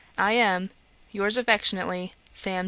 I am, 'Your's affectionately, 'SAM.